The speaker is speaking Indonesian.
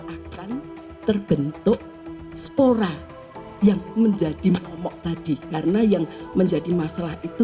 akan terbentuk spora yang menjadi momok tadi karena yang menjadi masalah itu